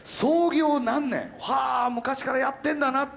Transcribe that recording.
あ昔からやってんだなって